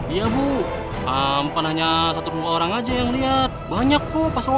iya bu tampan hanya satu dua orang aja yang lihat banyak kok pas honda